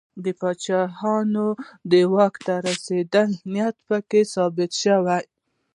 د پاچاهانو د واک ته رسېدو نېټې په کې ثبت شوې